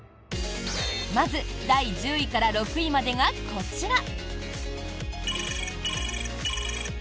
まず、第１０位から６位までがこちら。